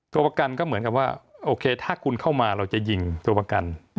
ตัวประกันก็เหมือนกับว่าโอเคถ้าคุณเข้ามาเราจะยิงตัวประกัน